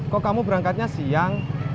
kok kamu berangkatnya siang